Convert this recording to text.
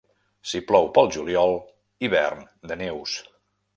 Si plou pel juliol, hivern de neus.